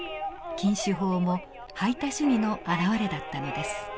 禁酒法も排他主義の表れだったのです。